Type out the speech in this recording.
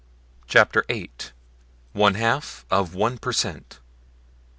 CHAPTER VIII ONE HALF OF ONE PER CENT.